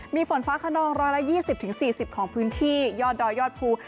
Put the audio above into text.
มีฝนฟ้าขนอง๑๒๐๔๐ของพื้นที่ยอดดอยยอดภู